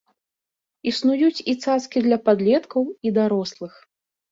Існуюць і цацкі для падлеткаў і дарослых.